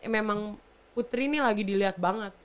memang putri ini lagi dilihat banget